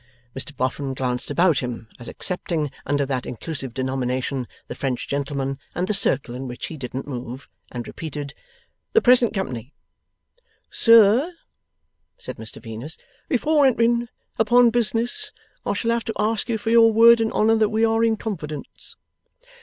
Mr Boffin glanced about him, as accepting under that inclusive denomination the French gentleman and the circle in which he didn't move, and repeated, 'The present company.' 'Sir,' said Mr Venus, 'before entering upon business, I shall have to ask you for your word and honour that we are in confidence.